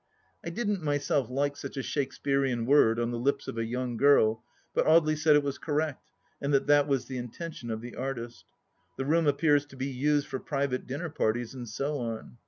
I didn't myself like such a Shakespearean word on the lips of a young girl, but Audely said it was correct, and that that was the intention of the artist. The room appears to be used for private dinner parties and so on.